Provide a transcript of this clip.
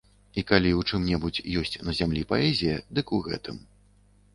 І калі ў чым-небудзь ёсць на зямлі паэзія, дык у гэтым.